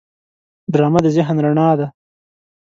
ډرامه د ذهن رڼا ده